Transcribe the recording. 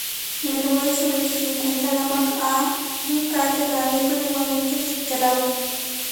En el borde suroeste se encuentra "Lamarck A", un cráter grande pero igualmente desintegrado.